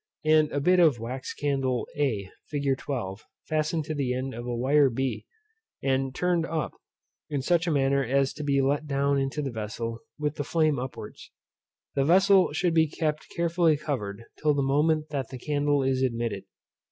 and a bit of wax candle a fig. 12, fastened to the end of a wire b, and turned up, in such a manner as to be let down into the vessel with the flame upwards. The vessel should be kept carefully covered till the moment that the candle is admitted.